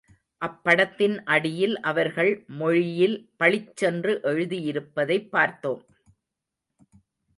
அப்படத்தின் அடியில் அவர்கள் மொழியில் பளிச்சென்று எழுதியிருப்பதைப் பார்த்தோம்.